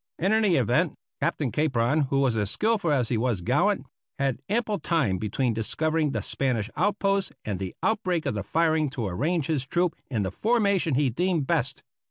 In any event, Captain Capron, who was as skilful as he was gallant, had ample time between discovering the Spanish outpost and the outbreak of the firing to arrange his troop in the formation he deemed best.